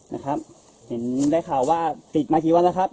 นะครับเห็นได้ข่าวว่าติดมากี่วันแล้วครับ